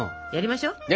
やりましょう！